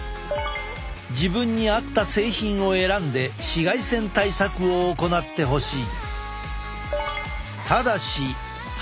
自分に合った製品を選んで紫外線対策を行ってほしい！